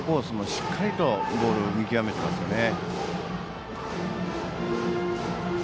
しっかりとボールを見極めていますよね。